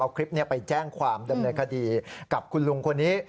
เอาคลิปนี้ไปแจ้งความดำเนินคดีกับคุณลุงคนนี้